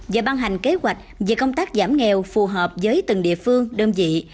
và ban hành kế hoạch về công tác giảm nghèo phù hợp với từng địa phương đơn vị